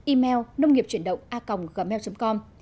email nông nghiệpchuyểnđộngacong gmail com